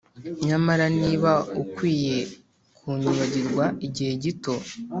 nyamara niba ukwiye kunyibagirwa igihe gito